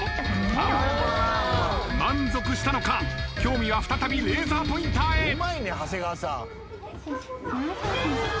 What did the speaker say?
満足したのか興味は再びレーザーポインターへ。